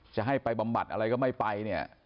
จะให้ไปบำบัดอะไรก็ไม่ไปเนี่ย